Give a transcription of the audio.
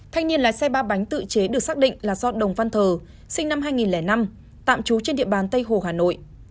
thanh niên lái xe ba bánh tự chế được xác định là do đồng văn thờ sinh năm hai nghìn năm tạm trú trên địa bàn tây hồ hà nội